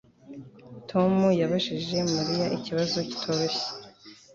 Tom yabajije Mariya ikibazo kitoroshye